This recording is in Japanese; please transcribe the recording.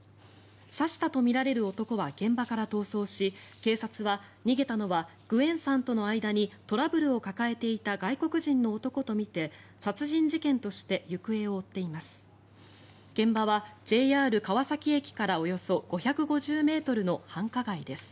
刺したとみられる男は現場から逃走し警察は逃げたのはグエンさんとの間にトラブルを抱えていた外国人の男とみて殺人事件として行方を追っています。